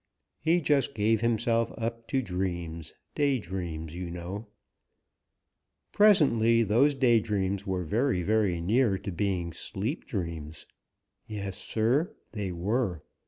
He just gave himself up to dreams, day dreams, you know. Presently those day dreams were very, very near to being sleep dreams. Yes, Sir, they were.